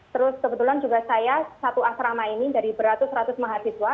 terus kebetulan juga saya satu asrama ini dari beratus ratus mahasiswa